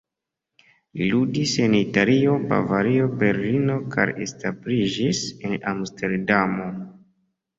Li ludis en Italio, Bavario, Berlino kaj establiĝis en Amsterdamo.